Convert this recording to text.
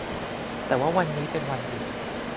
แต่ว่าวันนี้เป็นวันหยุด